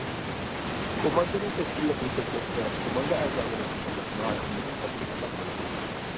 كوماندىنى تەشكىللەپ يېتەكلەشتە، كوماندا ئەزالىرىنى تاللاش ناھايىتى مۇھىم ھالقا ھېسابلىنىدۇ.